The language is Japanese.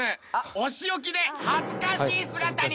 お仕置きで恥ずかしい姿に変身だ！